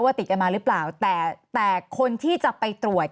ติดกันมาหรือเปล่าแต่แต่คนที่จะไปตรวจ